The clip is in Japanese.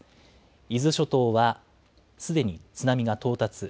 伊豆諸島は、すでに津波が到達。